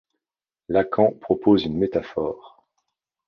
Lacan propose une métaphore.